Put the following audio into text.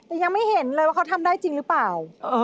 แต่ยังไม่เห็นเลยว่าเขาทำได้จริงหรือเปล่า